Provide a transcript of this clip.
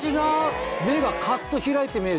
目がカッと開いて見える。